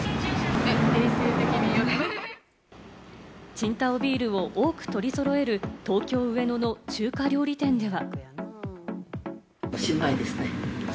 青島ビールを多く取り揃える東京・上野の中華料理店では。